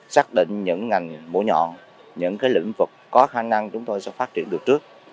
xác định những ngành mũi nhọn những lĩnh vực có khả năng chúng tôi sẽ phát triển được trước